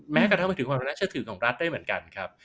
แม้กระทั่งไปถึงความน่าเชื่อถือของรัฐได้เหมือนกันครับ